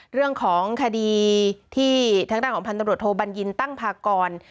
เรื่องของคดีที่ทางด้านของพันตำรวจโทบัญญินตั้งพากร